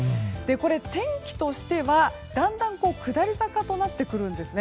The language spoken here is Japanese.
これ、天気としてはだんだん下り坂となってくるんです。